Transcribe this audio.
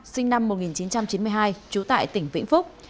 sinh năm một nghìn chín trăm chín mươi hai trú tại tỉnh vĩnh phúc